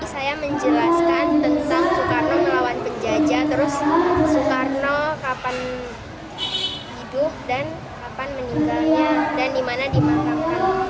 saya menjelaskan tentang bung karno melawan penjajah terus bung karno kapan hidup dan kapan meninggalnya dan dimana dimakam